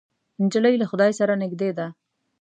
نجلۍ له خدای سره نږدې ده.